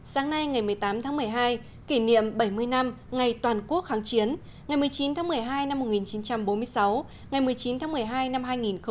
sáng nay ngày một mươi tám tháng một mươi hai kỷ niệm bảy mươi năm ngày toàn quốc kháng chiến ngày một mươi chín tháng một mươi hai năm một nghìn chín trăm bốn mươi sáu ngày một mươi chín tháng một mươi hai năm hai nghìn một mươi chín